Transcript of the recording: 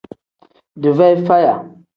Dii feyi faya.